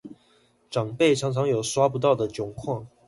長輩常常有刷不到的窘況